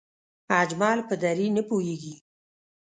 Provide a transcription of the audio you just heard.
اجمل په دری نه پوهېږي